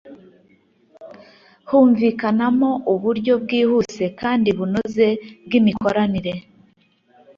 humvikanamo uburyo bwihuse kandi bunoze bw’imikoranire